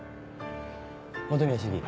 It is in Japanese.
本宮市議